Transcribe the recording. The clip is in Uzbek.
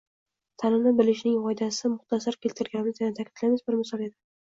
Tanani bilishning foydasini muxtasar keltirganimiz, qayta ta’kidlaymiz, bir misol edi.